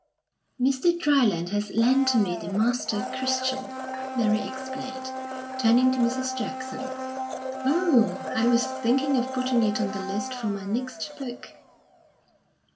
"Mr. Dryland has just lent me 'The Master Christian,'" Mary explained, turning to Mrs. Jackson. "Oh, I was thinking of putting it on the list for my next book."